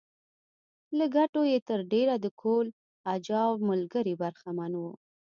له ګټو یې تر ډېره د کهول اجاو ملګري برخمن وو.